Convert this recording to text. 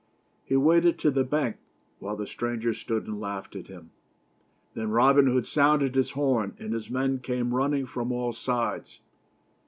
He waded to the bank, while the stranger stood and laughed at him. Then Robin Hood sounded his horn, and his men came running from all sides.